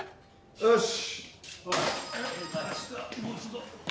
よし！